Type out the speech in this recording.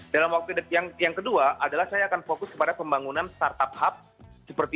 dalam waktu yang kedua adalah saya akan fokus kepada pembangunan startup hub